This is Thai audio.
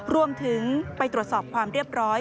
รวมถึงไปตรวจสอบความเรียบร้อย